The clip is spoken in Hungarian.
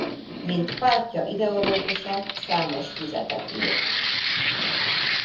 Mint pártja ideológusa számos füzetet írt.